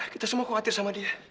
kita semua khawatir sama dia